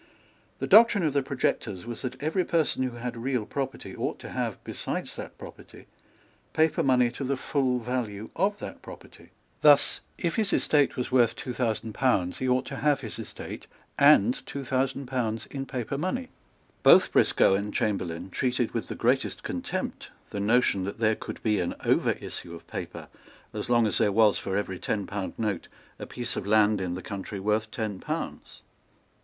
The doctrine of the projectors was that every person who had real property ought to have, besides that property, paper money to the full value of that property. Thus, if his estate was worth two thousand pounds, he ought to have his estate and two thousand pounds in paper money. Both Briscoe and Chamberlayne treated with the greatest contempt the notion that there could be an overissue of paper as long as there was, for every ten pound note, a piece of land in the country worth ten pounds.